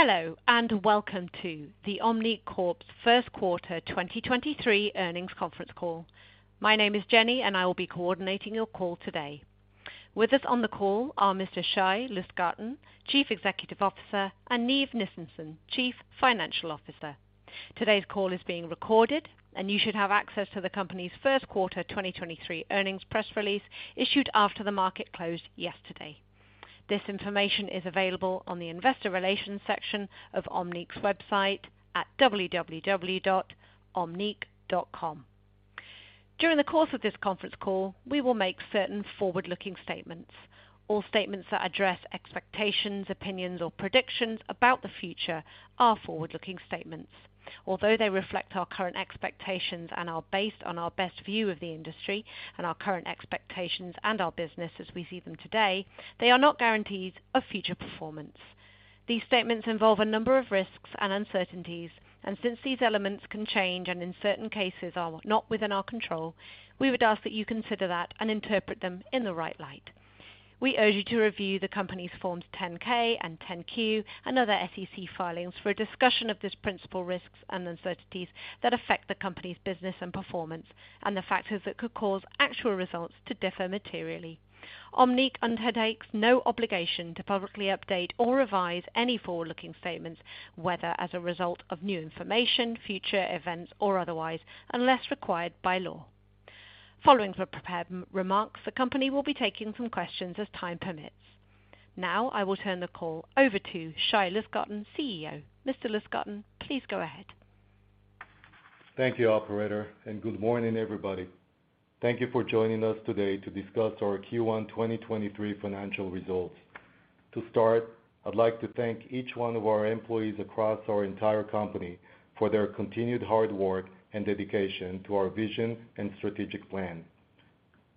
Hello, welcome to the OMNIQ Corp.'s first quarter 2023 earnings conference call. My name is Jenny. I will be coordinating your call today. With us on the call are Mr. Shai Lustgarten, Chief Executive Officer, and Neev Nissenson, Chief Financial Officer. Today's call is being recorded. You should have access to the company's first quarter 2023 earnings press release issued after the market closed yesterday. This information is available on the investor relations section of OMNIQ's website at www.omniq.com. During the course of this conference call, we will make certain forward-looking statements. All statements that address expectations, opinions, or predictions about the future are forward-looking statements. Although they reflect our current expectations and are based on our best view of the industry and our current expectations and our business as we see them today, they are not guarantees of future performance. These statements involve a number of risks and uncertainties, and since these elements can change and in certain cases are not within our control, we would ask that you consider that and interpret them in the right light. We urge you to review the company's Forms 10-K and 10-Q and other SEC filings for a discussion of these principal risks and uncertainties that affect the company's business and performance and the factors that could cause actual results to differ materially. OMNIQ undertakes no obligation to publicly update or revise any forward-looking statements, whether as a result of new information, future events, or otherwise, unless required by law. Following the prepared remarks, the company will be taking some questions as time permits. Now I will turn the call over to Shai Lustgarten, CEO. Mr. Lustgarten, please go ahead. Thank you, operator. Good morning, everybody. Thank you for joining us today to discuss our Q1 2023 financial results. To start, I'd like to thank each one of our employees across our entire company for their continued hard work and dedication to our vision and strategic plan.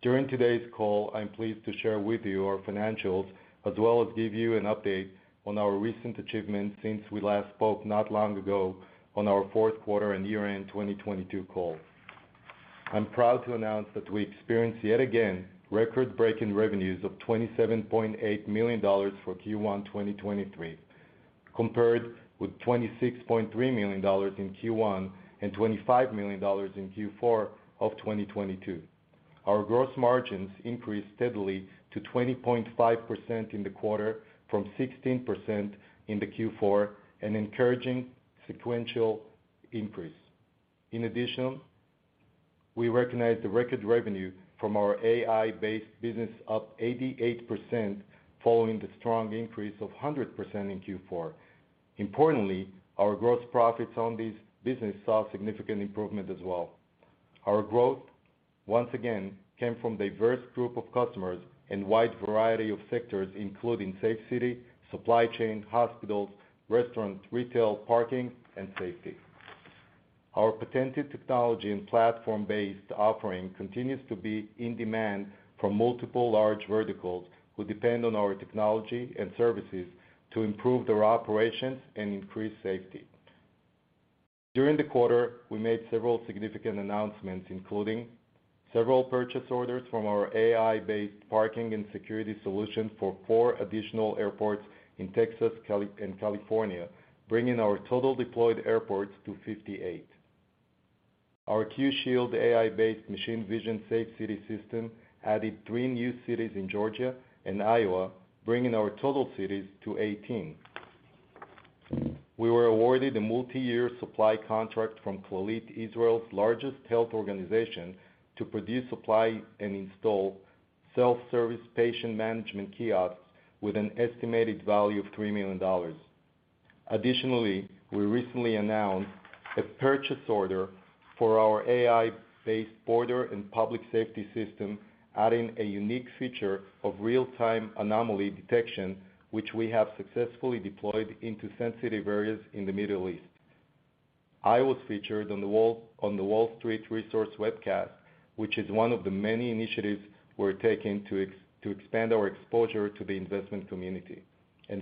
During today's call, I'm pleased to share with you our financials as well as give you an update on our recent achievements since we last spoke not long ago on our fourth quarter and year-end 2022 call. I'm proud to announce that we experienced yet again record-breaking revenues of $27.8 million for Q1 2023, compared with $26.3 million in Q1 and $25 million in Q4 of 2022. Our gross margins increased steadily to 20.5% in the quarter from 16% in the Q4, an encouraging sequential increase. In addition, we recognized the record revenue from our AI-based business up 88% following the strong increase of 100% in Q4. Importantly, our gross profits on this business saw significant improvement as well. Our growth, once again, came from diverse group of customers and wide variety of sectors, including safe city, supply chain, hospitals, restaurants, retail, parking, and safety. Our patented technology and platform-based offering continues to be in demand from multiple large verticals who depend on our technology and services to improve their operations and increase safety. During the quarter, we made several significant announcements, including several purchase orders from our AI-based parking and security solution for four additional airports in Texas and California, bringing our total deployed airports to 58. Our QShield AI-based machine vision Safe City system added three new cities in Georgia and Iowa, bringing our total cities to 18. We were awarded a multi-year supply contract from Clalit, Israel's largest health organization, to produce, supply, and install self-service patient management kiosks with an estimated value of $3 million. We recently announced a purchase order for our AI-based border and public safety system, adding a unique feature of real-time anomaly detection, which we have successfully deployed into sensitive areas in the Middle East. I was featured on The Wall Street Resource webcast, which is one of the many initiatives we're taking to expand our exposure to the investment community.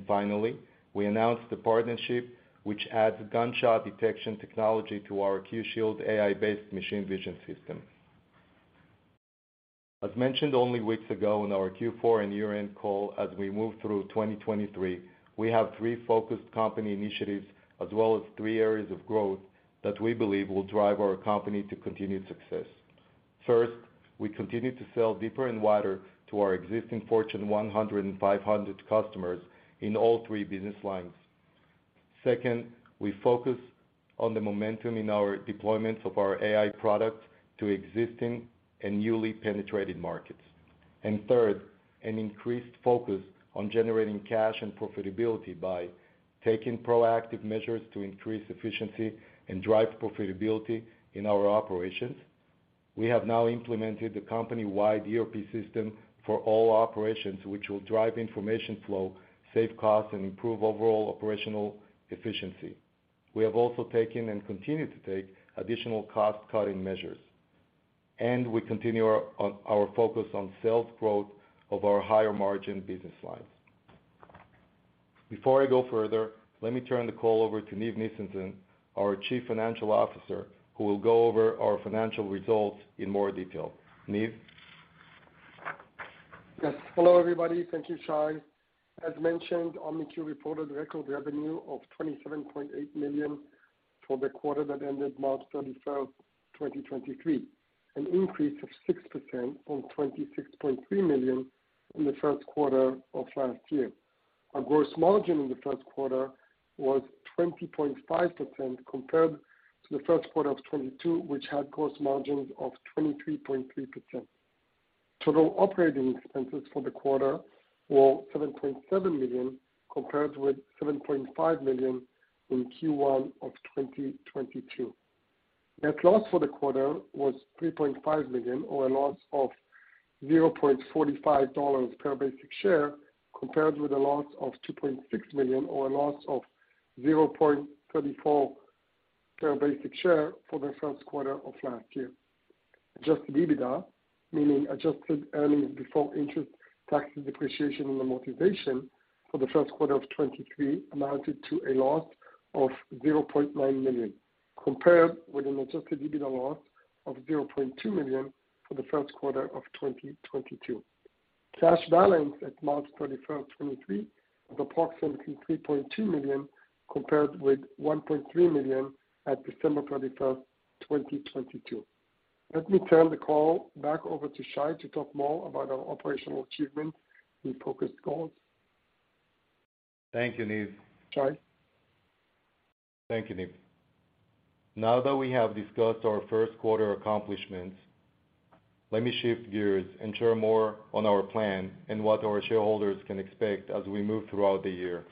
Finally, we announced a partnership which adds gunshot detection technology to our QShield AI-based machine vision system. As mentioned only weeks ago on our Q4 and year-end call, as we move through 2023, we have three focused company initiatives as well as three areas of growth that we believe will drive our company to continued success. First, we continue to sell deeper and wider to our existing Fortune 100 and 500 customers in all three business lines. Second, we focus on the momentum in our deployments of our AI product to existing and newly penetrated markets. Third, an increased focus on generating cash and profitability by taking proactive measures to increase efficiency and drive profitability in our operations. We have now implemented the company-wide ERP system for all operations, which will drive information flow, save costs, and improve overall operational efficiency. We have also taken and continue to take additional cost-cutting measures. We continue our focus on sales growth of our higher-margin business lines. Before I go further, let me turn the call over to Neev Nissenson, our Chief Financial Officer, who will go over our financial results in more detail. Neev? Yes. Hello everybody. Thank you, Shai. As mentioned, OMNIQ reported record revenue of $27.8 million for the quarter that ended March 31, 2023. An increase of 6% from $26.3 million in the first quarter of last year. Our gross margin in the first quarter was 20.5% compared to the first quarter of 2022, which had gross margins of 23.3%. Total operating expenses for the quarter were $7.7 million, compared with $7.5 million in Q1 of 2022. Net loss for the quarter was $3.5 million, or a loss of $0.45 per basic share, compared with a loss of $2.6 million, or a loss of $0.34 per basic share for the first quarter of last year. Adjusted EBITDA, meaning adjusted earnings before interest, taxes, depreciation, and amortization for the first quarter of 2023 amounted to a loss of $0.9 million, compared with an adjusted EBITDA loss of $0.2 million for the first quarter of 2022. Cash balance at March 31st, 2023 was approximately $3.2 million, compared with $1.3 million at December 31st, 2022. Let me turn the call back over to Shai to talk more about our operational achievements and focused goals. Thank you, Neev. Shai. Thank you, Neev. Now that we have discussed our first quarter accomplishments, let me shift gears and share more on our plan and what our shareholders can expect as we move throughout the year.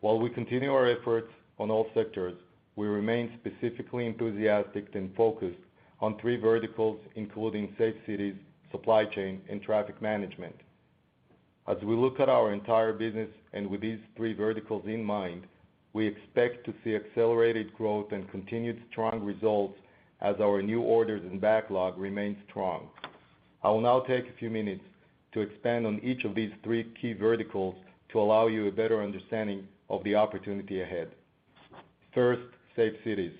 While we continue our efforts on all sectors, we remain specifically enthusiastic and focused on three verticals, including Safe Cities, Supply Chain, and Traffic Management. As we look at our entire business, and with these three verticals in mind, we expect to see accelerated growth and continued strong results as our new orders and backlog remain strong. I will now take a few minutes to expand on each of these three key verticals to allow you a better understanding of the opportunity ahead. First, Safe Cities.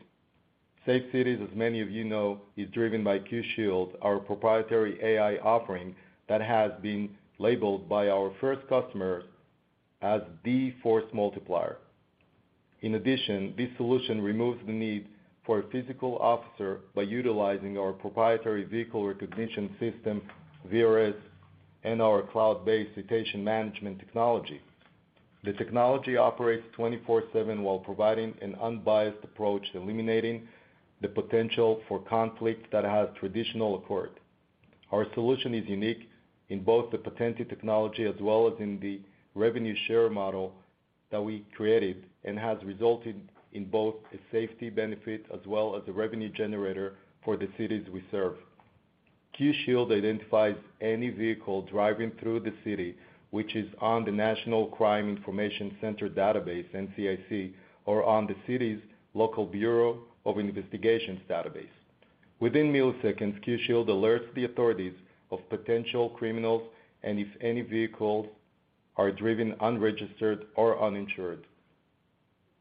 Safe Cities, as many of you know, is driven by QShield, our proprietary AI offering that has been labeled by our first customers as the force multiplier. This solution removes the need for a physical officer by utilizing our proprietary Vehicle Recognition System, VRS, and our cloud-based citation management technology. The technology operates 24/7 while providing an unbiased approach to eliminating the potential for conflict that has traditionally occurred. Our solution is unique in both the patented technology as well as in the revenue share model that we created and has resulted in both a safety benefit as well as a revenue generator for the cities we serve. QShield identifies any vehicle driving through the city which is on the National Crime Information Center database, NCIC, or on the city's local bureau of investigations database. Within milliseconds, QShield alerts the authorities of potential criminals and if any vehicles are driven unregistered or uninsured.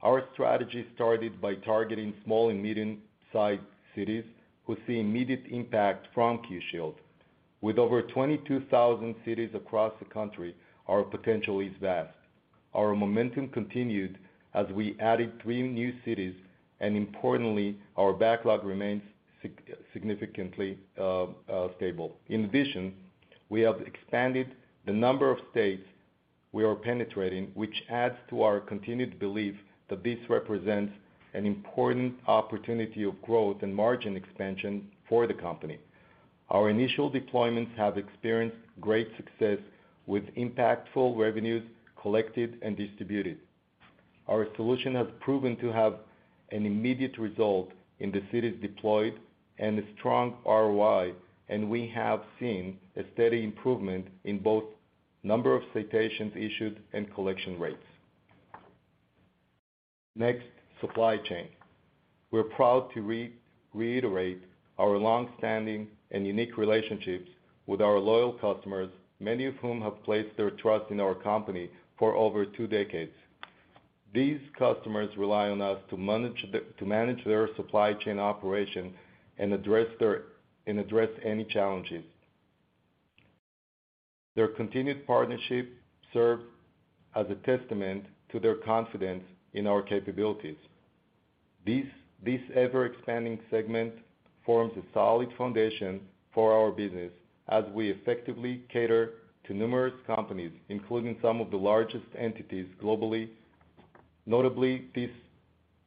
Our strategy started by targeting small and medium-sized cities who see immediate impact from QShield. With over 22,000 cities across the country, our potential is vast. Our momentum continued as we added three new cities. Importantly, our backlog remains significantly stable. In addition, we have expanded the number of states we are penetrating, which adds to our continued belief that this represents an important opportunity of growth and margin expansion for the company. Our initial deployments have experienced great success with impactful revenues collected and distributed. Our solution has proven to have an immediate result in the cities deployed and a strong ROI. We have seen a steady improvement in both number of citations issued and collection rates. Next, Supply Chain. We're proud to reiterate our long-standing and unique relationships with our loyal customers, many of whom have placed their trust in our company for over two decades. These customers rely on us to manage their Supply Chain operation and address any challenges. Their continued partnership serves as a testament to their confidence in our capabilities. This ever-expanding segment forms a solid foundation for our business as we effectively cater to numerous companies, including some of the largest entities globally. Notably, this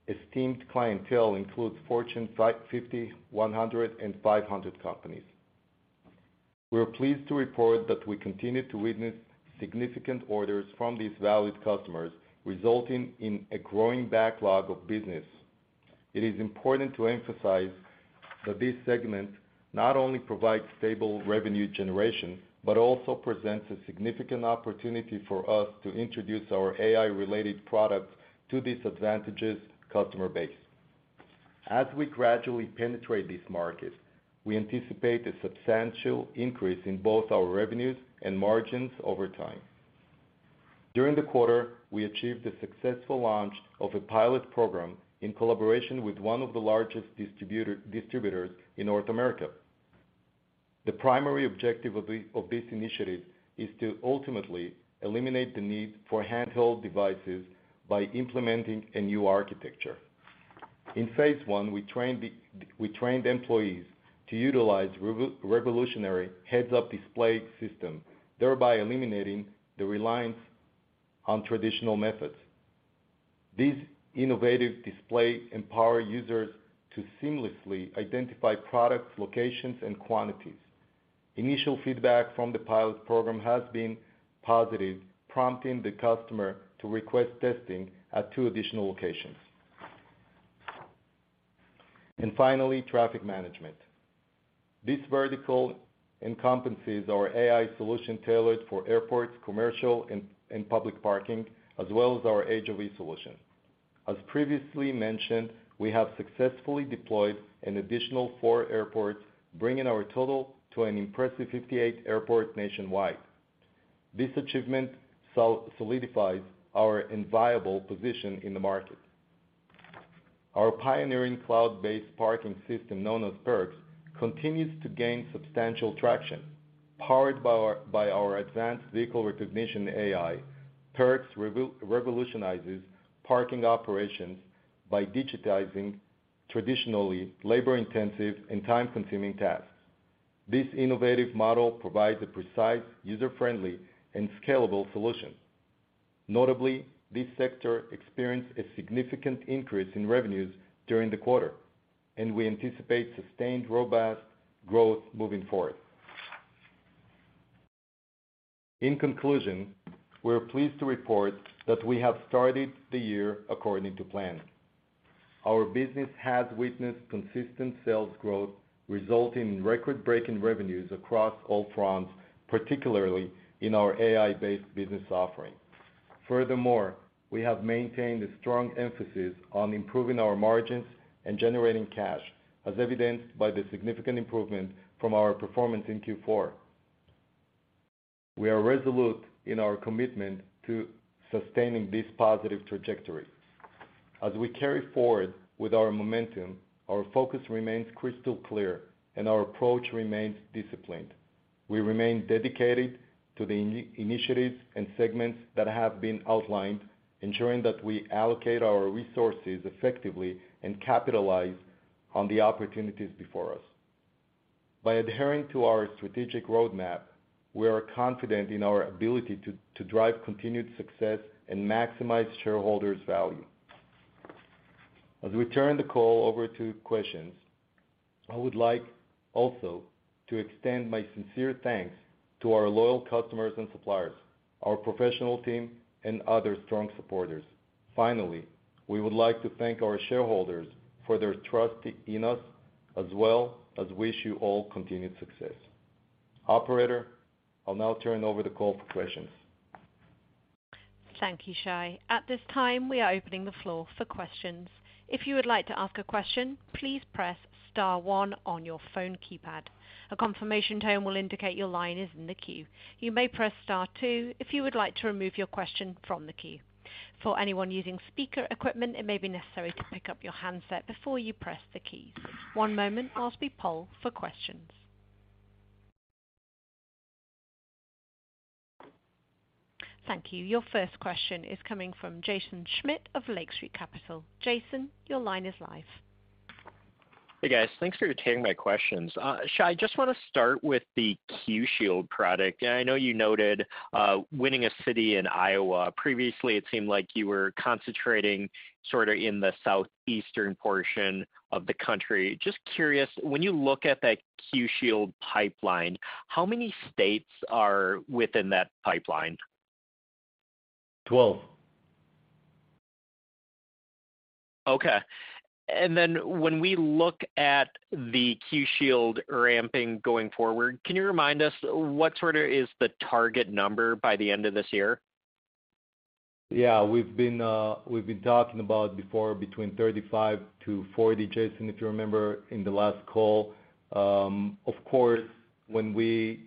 esteemed clientele includes Fortune 50, 100, and 500 companies. We are pleased to report that we continue to witness significant orders from these valued customers, resulting in a growing backlog of business. It is important to emphasize that this segment not only provides stable revenue generation, but also presents a significant opportunity for us to introduce our AI-related products to this advantageous customer base. As we gradually penetrate this market, we anticipate a substantial increase in both our revenues and margins over time. During the quarter, we achieved a successful launch of a pilot program in collaboration with one of the largest distributors in North America. The primary objective of this initiative is to ultimately eliminate the need for handheld devices by implementing a new architecture. In phase one, we trained employees to utilize revolutionary heads-up display system, thereby eliminating the reliance on traditional methods. This innovative display empower users to seamlessly identify products, locations, and quantities. Initial feedback from the pilot program has been positive, prompting the customer to request testing at two additional locations. Finally, Traffic Management. This vertical encompasses our AI solution tailored for airports, commercial and public parking, as well as our HOV solution. As previously mentioned, we have successfully deployed an additional four airports, bringing our total to an impressive 58 airports nationwide. This achievement solidifies our enviable position in the market. Our pioneering cloud-based parking system, known as PERCS, continues to gain substantial traction. Powered by our advanced vehicle recognition AI, PERCS revolutionizes parking operations by digitizing traditionally labor-intensive and time-consuming tasks. This innovative model provides a precise, user-friendly, and scalable solution. Notably, this sector experienced a significant increase in revenues during the quarter, and we anticipate sustained, robust growth moving forward. In conclusion, we're pleased to report that we have started the year according to plan. Our business has witnessed consistent sales growth resulting in record-breaking revenues across all fronts, particularly in our AI-based business offering. Furthermore, we have maintained a strong emphasis on improving our margins and generating cash, as evidenced by the significant improvement from our performance in Q4. We are resolute in our commitment to sustaining this positive trajectory. As we carry forward with our momentum, our focus remains crystal clear and our approach remains disciplined. We remain dedicated to the initiatives and segments that have been outlined, ensuring that we allocate our resources effectively and capitalize on the opportunities before us. By adhering to our strategic roadmap, we are confident in our ability to drive continued success and maximize shareholders' value. As we turn the call over to questions, I would like also to extend my sincere thanks to our loyal customers and suppliers, our professional team, and other strong supporters. Finally, we would like to thank our shareholders for their trust in us, as well as wish you all continued success. Operator, I'll now turn over the call for questions. Thank you, Shai. At this time, we are opening the floor for questions. If you would like to ask a question, please press star one on your phone keypad. A confirmation tone will indicate your line is in the queue. You may press star two if you would like to remove your question from the queue. For anyone using speaker equipment, it may be necessary to pick up your handset before you press the keys. One moment as we poll for questions. Thank you. Your first question is coming from Jaeson Schmidt of Lake Street Capital. Jaeson, your line is live. Hey, guys. Thanks for taking my questions. Shai, I just wanna start with the QShield product. I know you noted, winning a city in Iowa. Previously, it seemed like you were concentrating sorta in the southeastern portion of the country. Just curious, when you look at that QShield pipeline, how many states are within that pipeline? Twelve. Okay. Then when we look at the QShield ramping going forward, can you remind us what sorta is the target number by the end of this year? Yeah. We've been talking about before between 35-40, Jaeson, if you remember in the last call. Of course, when we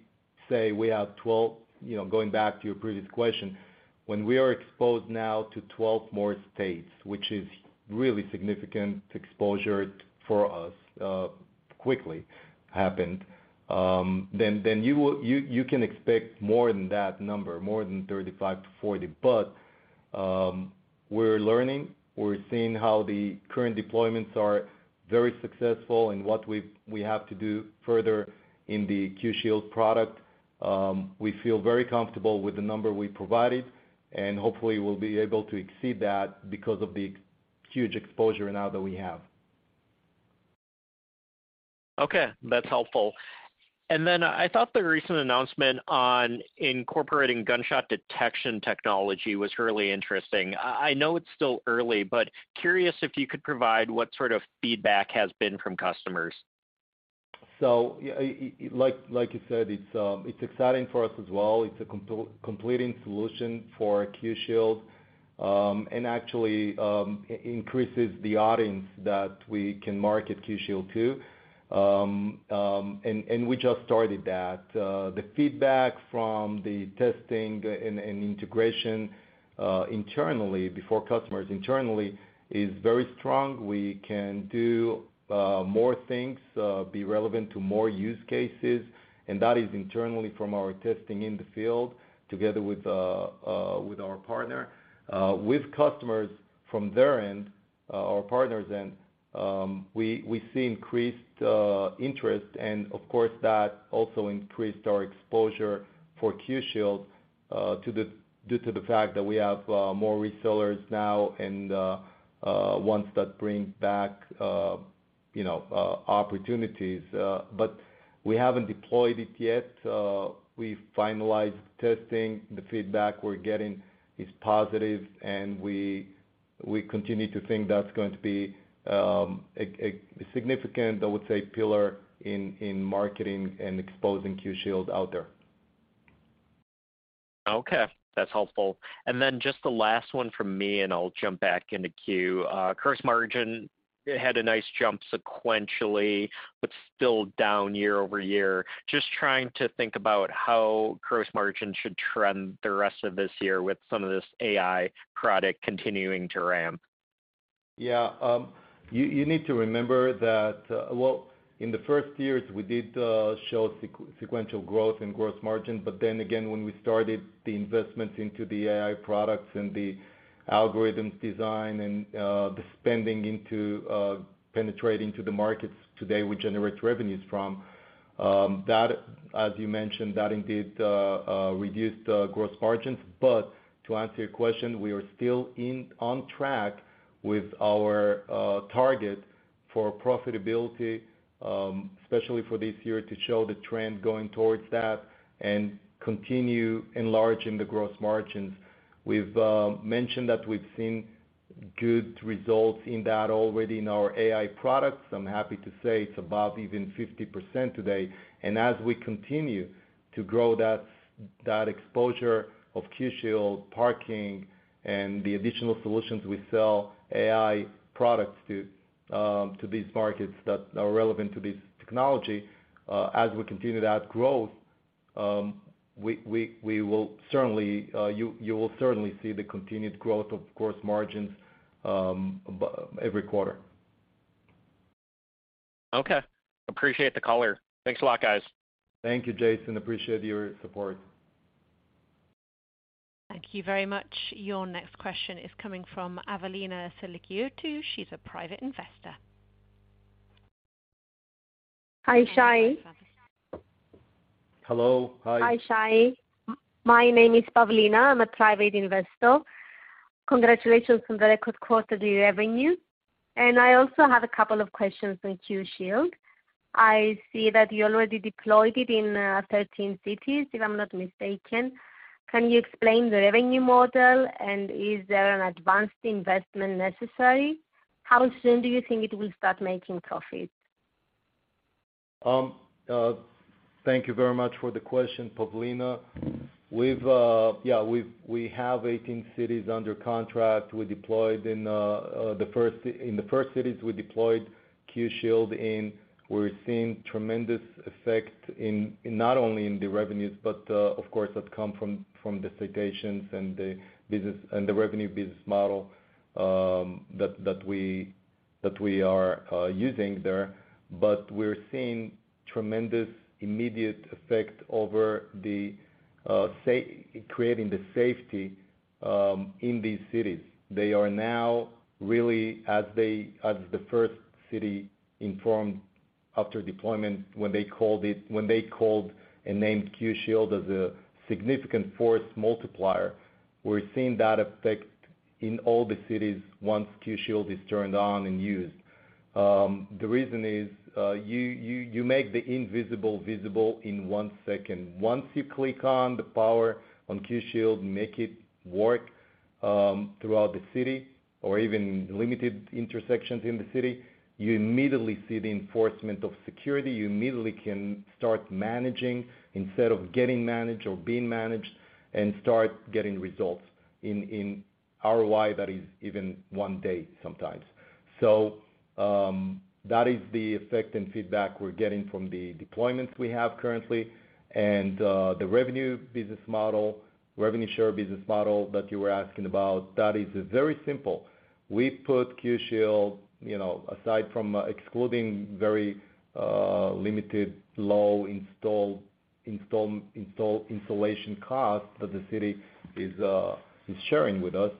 say we have 12, you know, going back to your previous question, when we are exposed now to 12 more states, which is really significant exposure for us, quickly happened, then you can expect more than that number, more than 35-40. We're learning. We're seeing how the current deployments are very successful and what we have to do further in the QShield product. We feel very comfortable with the number we provided, and hopefully we'll be able to exceed that because of the huge exposure now that we have. Okay, that's helpful. I thought the recent announcement on incorporating gunshot detection technology was really interesting. I know it's still early, but curious if you could provide what sort of feedback has been from customers. Like you said, it's exciting for us as well. It's a completing solution for QShield. Actually, increases the audience that we can market QShield to. We just started that. The feedback from the testing and integration internally before customers internally is very strong. We can do more things, be relevant to more use cases, that is internally from our testing in the field together with our partner. With customers from their end, our partners then, we see increased interest and of course that also increased our exposure for QShield due to the fact that we have more resellers now and ones that bring back, you know, opportunities. We haven't deployed it yet. We finalized testing. The feedback we're getting is positive, and we continue to think that's going to be a significant, I would say, pillar in marketing and exposing QShield out there. Okay. That's helpful. Just the last one from me, and I'll jump back into queue. Gross margin had a nice jump sequentially, but still down year-over-year. Just trying to think about how gross margin should trend the rest of this year with some of this AI product continuing to ramp. Yeah. you need to remember that, well, in the first years, we did show sequential growth in gross margin, when we started the investments into the AI products and the algorithms design and the spending into penetrating to the markets today we generate revenues from that, as you mentioned, that indeed reduced gross margins. To answer your question, we are still on track with our target for profitability, especially for this year, to show the trend going towards that and continue enlarging the gross margins. We've mentioned that we've seen good results in that already in our AI products. I'm happy to say it's above even 50% today. As we continue to grow that exposure of QShield parking and the additional solutions we sell AI products to these markets that are relevant to this technology, as we continue that growth, we will certainly, you will certainly see the continued growth of gross margins every quarter. Okay. Appreciate the color. Thanks a lot, guys. Thank you, Jaeson. Appreciate your support. Thank you very much. Your next question is coming from Pavlina Tsilikioti. She's a private investor. Hi, Shai. Hello. Hi. Hi, Shai. My name is Pavlina. I'm a private investor. Congratulations on the record quarterly revenue. I also have a couple of questions on QShield. I see that you already deployed it in 13 cities, if I'm not mistaken. Can you explain the revenue model, and is there an advanced investment necessary? How soon do you think it will start making profits? Thank you very much for the question, Pavlina. Yeah, we have 18 cities under contract. We deployed in the first cities we deployed QShield in, we're seeing tremendous effect in not only in the revenues, but of course, that come from the citations and the revenue business model that we that we are using there. But we're seeing tremendous immediate effect over creating the safety in these cities. They are now really as the first city informed after deployment when they called and named QShield as a significant force multiplier. We're seeing that effect in all the cities once QShield is turned on and used. The reason is, you make the invisible visible in one second. Once you click on the power on QShield, make it work throughout the city or even limited intersections in the city, you immediately see the enforcement of security. You immediately can start managing instead of getting managed or being managed and start getting results in ROI that is even one day sometimes. That is the effect and feedback we're getting from the deployments we have currently. The revenue business model, revenue share business model that you were asking about, that is very simple. We put QShield, you know, aside from excluding very limited low installation costs that the city is sharing with us.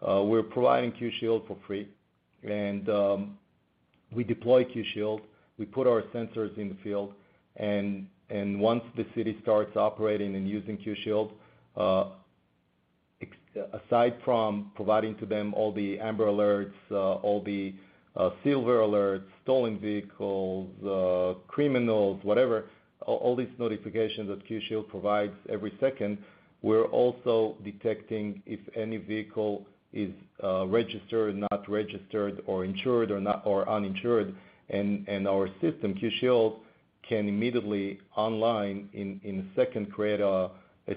We're providing QShield for free, and we deploy QShield. We put our sensors in the field, and once the city starts operating and using QShield, aside from providing to them all the AMBER Alerts, all the Silver Alert, stolen vehicles, criminals, whatever, all these notifications that QShield provides every second, we're also detecting if any vehicle is registered, not registered, or insured or not, or uninsured. Our system, QShield can immediately online in a second create a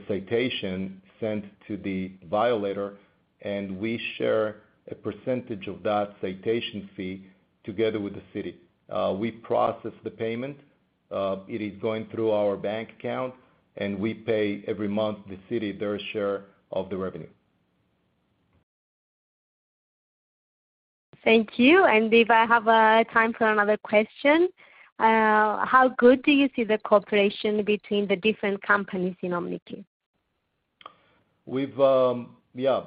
citation sent to the violator, and we share a percentage of that citation fee together with the city. We process the payment. It is going through our bank account, and we pay every month the city their share of the revenue. Thank you. If I have, time for another question, how good do you see the cooperation between the different companies in OMNIQ? We've. Yeah,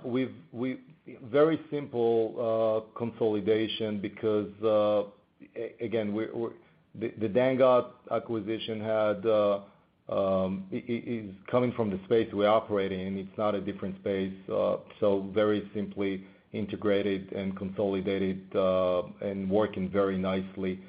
Very simple consolidation because again, we're the Dangot acquisition is coming from the space we're operating in, it's not a different space. Very simply integrated and consolidated and working very nicely.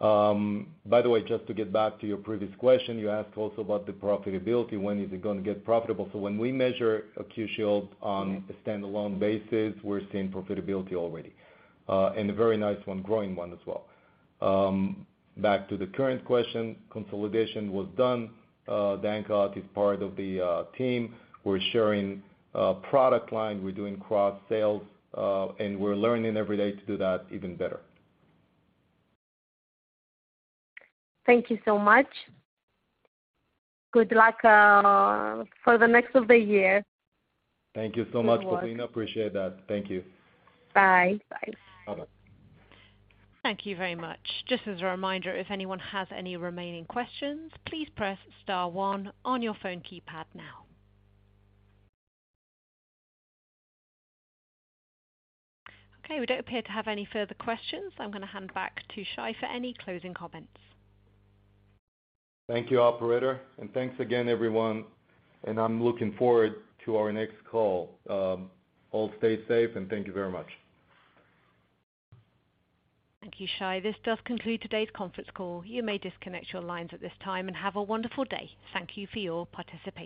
By the way, just to get back to your previous question, you asked also about the profitability. When is it gonna get profitable? When we measure QShield on a standalone basis, we're seeing profitability already and a very nice one, growing one as well. Back to the current question, consolidation was done. Dangot is part of the team. We're sharing product line, we're doing cross sales and we're learning every day to do that even better. Thank you so much. Good luck for the rest of the year. Thank you so much, Pavlina. Appreciate that. Thank you. Bye. Bye-bye. Thank you very much. Just as a reminder, if anyone has any remaining questions, please press star one on your phone keypad now. We don't appear to have any further questions. I'm gonna hand back to Shai for any closing comments. Thank you, operator, and thanks again, everyone. I'm looking forward to our next call. All stay safe, and thank you very much. Thank you, Shai. This does conclude today's conference call. You may disconnect your lines at this time, and have a wonderful day. Thank you for your participation.